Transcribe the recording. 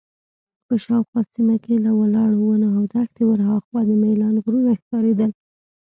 په شاوخوا سیمه کې له ولاړو ونو او دښتې ورهاخوا د میلان غرونه ښکارېدل.